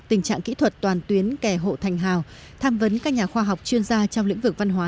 tình trạng kỹ thuật toàn tuyến kẻ hộ thành hào tham vấn các nhà khoa học chuyên gia trong lĩnh vực văn hóa